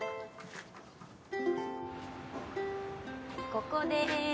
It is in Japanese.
ここでーす。